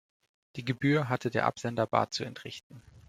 Die Gebühr hatte der Absender bar zu entrichten.